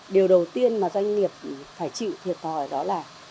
điều đầu tiên mà doanh nghiệp phải chịu thiệt thòi đó là